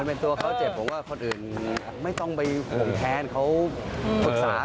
เพราะคลอดเสร็จคลอดมาได้แค่เดือนเดียว